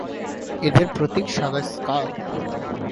এদের প্রতীক সাদা স্কাল।